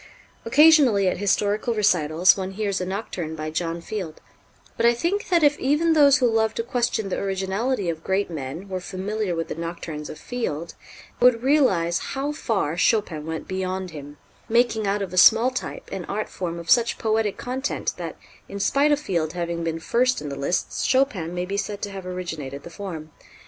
Occasionally at historical recitals one hears a nocturne by John Field; but I think that if even those who love to question the originality of great men were familiar with the nocturnes of Field, they would realize how far Chopin went beyond him, making out of a small type an art form of such poetic content that, in spite of Field having been first in the lists, Chopin may be said to have originated the form.